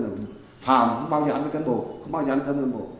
phạm không bao giờ ăn cơm cho con bồ không bao giờ ăn cơm cho con bồ